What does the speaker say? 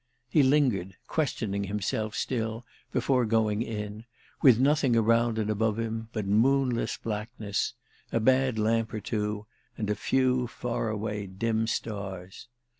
He lingered, questioning himself still before going in, with nothing around and above him but moonless blackness, a bad lamp or two and a few far away dim stars.